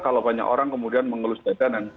kalau banyak orang kemudian mengelus jajanan